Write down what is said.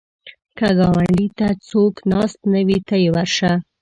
که ګاونډي ته څوک ناست نه وي، ته یې ورشه